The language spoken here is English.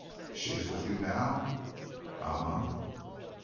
She with you now?" "Uh huh."